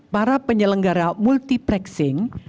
para penyelenggara multiplexing